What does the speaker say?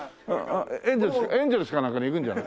エンゼルスかなんかに行くんじゃない？